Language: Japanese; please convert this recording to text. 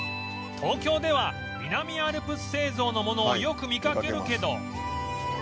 東京では南アルプス製造のものをよく見かけるけど